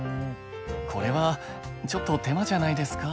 これはちょっと手間じゃないですか？